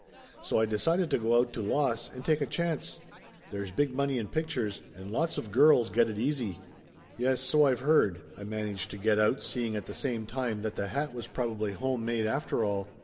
So I decided to go out to Los and take a chance. There's big money in pictures, and lots of girls get it easy !" "Yes, so I've heard !" I managed to get out, seeing at the same time that the hat was probably home made after all.